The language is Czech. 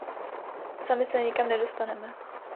Sami se nikam nedostaneme!